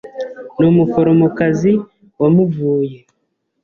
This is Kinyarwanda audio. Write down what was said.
Ni umuforomokazi wamuvuye.